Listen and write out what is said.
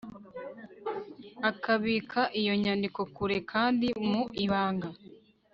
akabika iyo nyandiko kure kandi mu ibanga